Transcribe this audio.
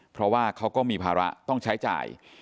เพราะว่าเขาก็มีภาระต้องใช้จ่าย